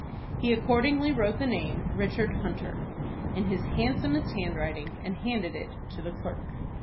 He accordingly wrote the name, Richard Hunter, in his handsomest handwriting, and handed it to the clerk.